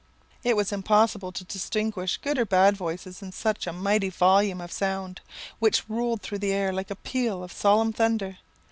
It was impossible to distinguish good or bad voices in such a mighty volume of sound, which rolled through the air like a peal of solemn thunder.